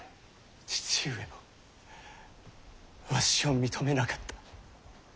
父上もわしを認めなかった。